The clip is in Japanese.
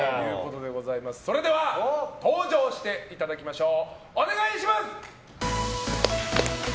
それでは登場していただきましょう。